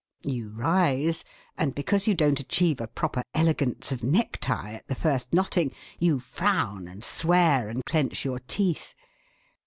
You rise, and because you don't achieve a proper elegance of necktie at the first knotting, you frown and swear and clench your teeth!